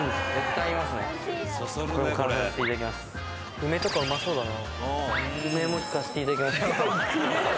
梅とかうまそうだな。